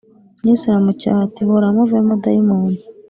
Yesu aramucyaha ati Hora muvemo Dayimoni